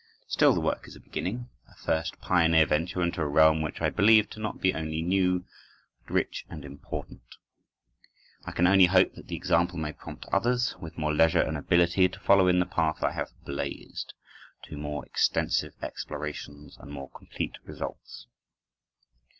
Still the work is a beginning, a first pioneer venture into a realm which I believe to be not only new, but rich and important. I can only hope that the example may prompt others, with more leisure and ability, to follow in the path I have blazed, to more extensive explorations and more complete results.